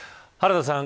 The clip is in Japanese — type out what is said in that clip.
原田さん